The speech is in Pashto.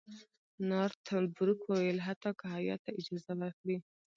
نارت بروک وویل حتی که هیات ته اجازه ورکړي.